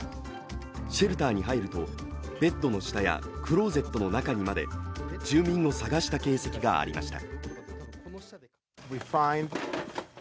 シェルターに入るとベッドの下やクローゼットの中にまで住民を探した形跡がありました。